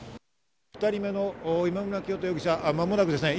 ２人目の今村磨人容疑者、間もなく今。